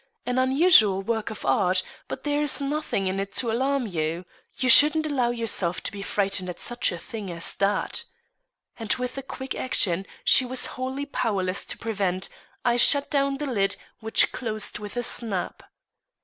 An unusual work of art; but there is nothing in it to alarm you. You shouldn't allow yourself to be frightened at such a thing as that." And with a quick action, she was wholly powerless to prevent, I shut down the lid, which closed with a snap.